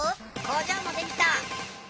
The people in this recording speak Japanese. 工場もできた！